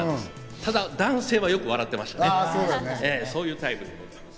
ただ、男性はよく笑ってましたね、そういうタイプ。